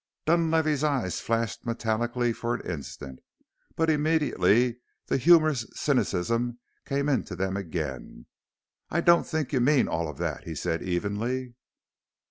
Dunlavey's eyes flashed metallically for an instant, but immediately the humorous cynicism came into them again. "I don't think you mean all of that," he said evenly.